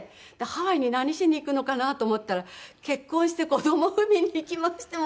ハワイに何しに行くのかなと思ったら結婚して子供産みに行きまして。